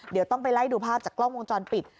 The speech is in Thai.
เดี๋ยวต้องไปไล่ดูภาพจากกล้องวงจรปิด